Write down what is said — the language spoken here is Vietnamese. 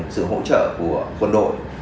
sự hỗ trợ của quân đội